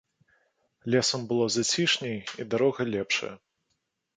Лесам было зацішней і дарога лепшая.